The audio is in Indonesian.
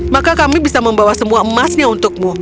maka kami bisa membawa semua emasnya untukmu